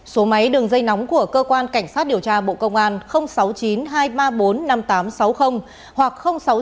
số máy đường dây nóng của cơ quan cảnh sát điều tra bộ công an sáu mươi chín hai trăm ba mươi bốn năm nghìn tám trăm sáu mươi hoặc sáu mươi chín hai trăm ba mươi hai một nghìn sáu trăm sáu mươi